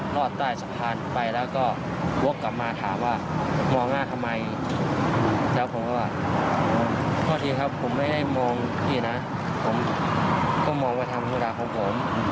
เนี่ยนะผมก็มองไว้ทำกำซุดาพผมผม